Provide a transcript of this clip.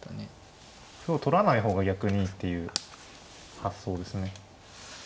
歩を取らない方が逆にいいっていう発想ですね。